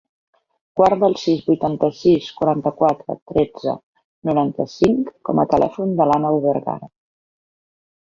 Guarda el sis, vuitanta-sis, quaranta-quatre, tretze, noranta-cinc com a telèfon de l'Àneu Vergara.